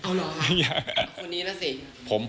อ้าวเหรอ